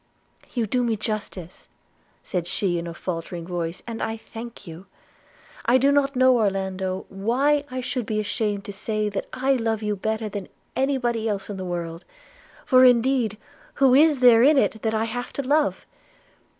'You do me justice,' said she in a faltering voice, 'and I thank you. I do not know, Orlando, why I should be ashamed to say that I love you better than any body else in the world; for indeed who is there in it that I have to love?